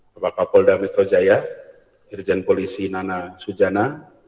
bapak pak polda metro jaya dirjen polisi nana sujana